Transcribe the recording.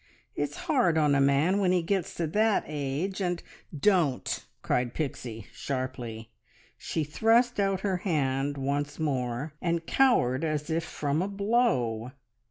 It's hard on a man when he gets to that age, and " "Don't!" cried Pixie sharply. She thrust out her hand once more, and cowered as if from a blow.